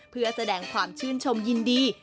เพื่อแสดงความชื่นชมยินดี